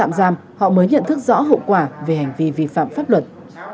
tạm giam họ mới nhận thức rõ hậu quả về hành vi vi phạm pháp luật